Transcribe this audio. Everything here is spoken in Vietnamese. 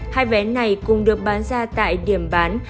hai vé này cùng được bán ra tại điểm bán